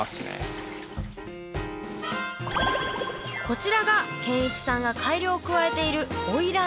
こちらが賢一さんが改良を加えている花魁です。